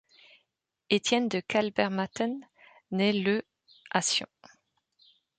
Étienne de Kalbermatten naît le à Sion.